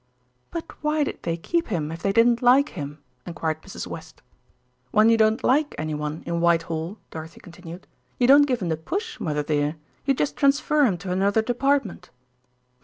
"But why did they keep him if they didn't like him?" enquired Mrs. West. "When you don't like anyone in Whitehall," Dorothy continued, "you don't give him the push, mother dear, you just transfer him to another department."